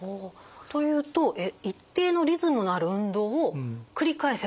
というと一定のリズムのある運動を繰り返せばいいんですか？